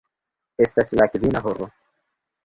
Estas la kvina horo.